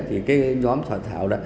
thì cái nhóm thỏa thải